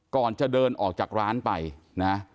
ก่อนจะเดินออกจากร้านไปนะ